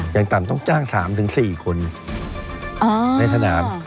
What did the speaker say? อย่างต่ำต้องจ้าง๓๔คนในสนาม